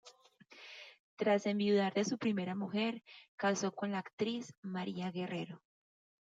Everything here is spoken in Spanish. Tras enviudar de su primera mujer, casó con la actriz María Guerrero.